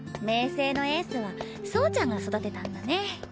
青のエースは走ちゃんが育てたんだね。